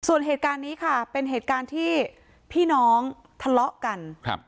ส่วนเหตุการณ์นี้ค่ะเป็นเหตุการณ์ที่พี่น้องทะเลาะกันครับ